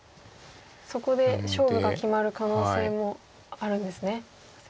そこで勝負が決まる可能性もあるんですね。